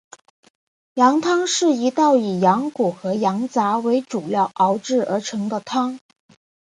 羊汤是一道以羊骨和羊杂为主料熬制而成的汤。